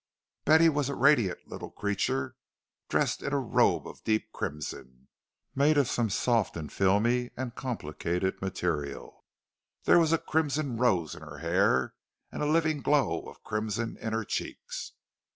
Betty was a radiant little creature, dressed in a robe of deep crimson, made of some soft and filmy and complicated material; there was a crimson rose in her hair, and a living glow of crimson in her cheeks.